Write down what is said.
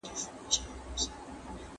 دا منم چي نه څراغ یم، نه سهار یم